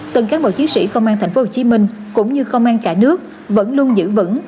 từng cán bộ chiến sĩ công an tp hcm cũng như công an cả nước vẫn luôn giữ vững